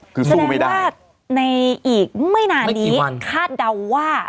คือสู้ไม่ได้แสดงว่าในอีกไม่นานนี้คาดเดาว่า